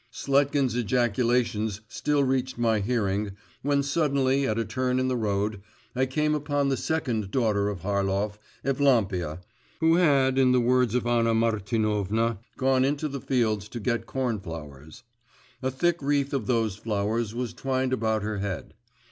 Sletkin's ejaculations still reached my hearing, when suddenly at a turn in the road, I came upon the second daughter of Harlov, Evlampia, who had, in the words of Anna Martinovna, gone into the fields to get cornflowers. A thick wreath of those flowers was twined about her head.